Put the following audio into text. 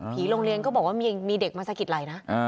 โรงเรียนก็บอกว่ามีเด็กมาสะกิดไหล่นะ